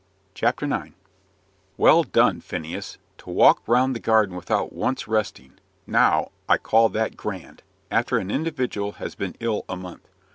CHAPTER IX "Well done, Phineas to walk round the garden without once resting! now I call that grand, after an individual has been ill a month.